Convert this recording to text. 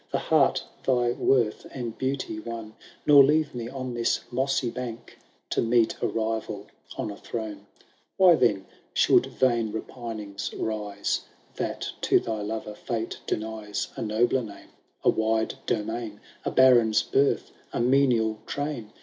The heart thy worth and beauty won. Nor leave me on this mossy bank, To meet a rival on a throne : Why then should vain repinings rise, That to thy lover £ate denies A nobler name, a wide domain, A Baron's birth, a menial train.